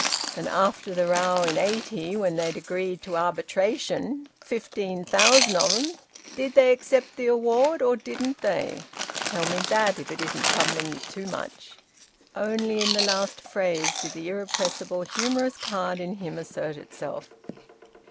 And after the row in '80, when they'd agreed to arbitration fifteen thousand of 'em did they accept the award, or didn't they? Tell me that, if it isn't troubling ye too much." Only in the last phase did the irrepressible humorous card in him assert itself.